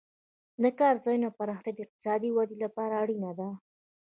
د کار ځایونو پراختیا د اقتصادي ودې لپاره اړینه ده.